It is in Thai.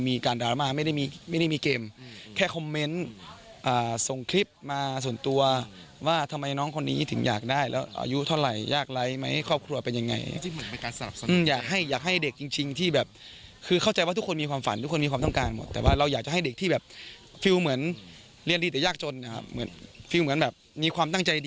ดราม่าไม่ได้มีไม่ได้มีเกมแค่คอมเมนต์ส่งคลิปมาส่วนตัวว่าทำไมน้องคนนี้ถึงอยากได้แล้วอายุเท่าไหร่ยากไร้ไหมครอบครัวเป็นยังไงที่เหมือนเป็นการสนับสนุนอยากให้อยากให้เด็กจริงที่แบบคือเข้าใจว่าทุกคนมีความฝันทุกคนมีความต้องการหมดแต่ว่าเราอยากจะให้เด็กที่แบบฟิลเหมือนเรียนดีแต่ยากจนนะครับเหมือนฟิลเหมือนแบบมีความตั้งใจดี